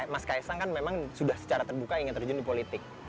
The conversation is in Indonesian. mas kaisang kan memang sudah secara terbuka ingin terjun di politik